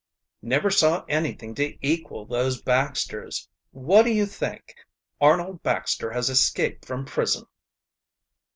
"Never saw anything to equal those Baxters. What do you think? Arnold Baxter has escaped from prison."